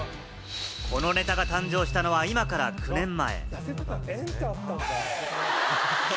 このネタが誕生したのは今から９年前。